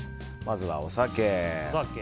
まずはお酒。